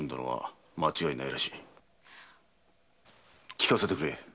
聞かせてくれ。